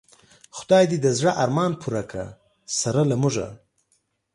خدای دی د زړه ارمان پوره که سره له مونږه